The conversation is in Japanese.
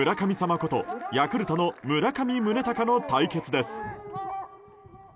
ことヤクルトの村上宗隆の対決です。